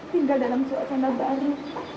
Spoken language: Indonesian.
tinggal dalam suasana baru